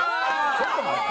ちょっと待って。